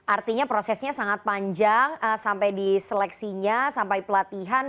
artinya prosesnya sangat panjang sampai di seleksinya sampai pelatihan